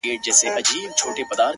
خلگو شتنۍ د ټول جهان څخه راټولي كړې؛